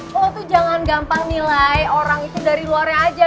wah tuh jangan gampang nilai orang itu dari luarnya aja